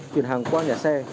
chuyển hàng qua nhà xe